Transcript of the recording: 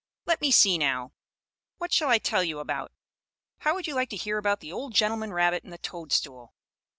Let me see now, what shall I tell you about? How would you like to hear about the old gentleman rabbit and the toadstool?